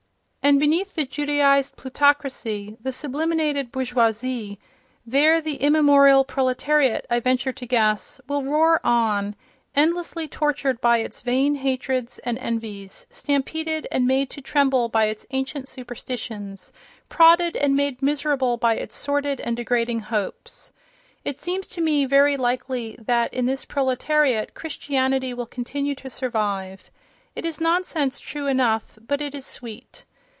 And beneath the Judaized plutocracy, the sublimated bourgeoisie, there the immemorial proletariat, I venture to guess, will roar on, endlessly tortured by its vain hatreds and envies, stampeded and made to tremble by its ancient superstitions, prodded and made miserable by its sordid and degrading hopes. It seems to me very likely that, in this proletariat, Christianity will continue to survive. It is nonsense, true enough, but it is sweet.